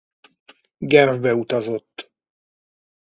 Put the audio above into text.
Genfbe utazott.